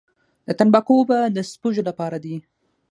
د تنباکو اوبه د سپږو لپاره دي؟